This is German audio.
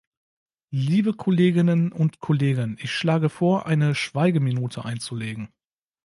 Liebe Kolleginnen und Kollegen, ich schlage vor, eine Schweigeminute einzulegen.